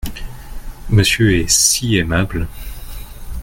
Monsieur est si aimable !…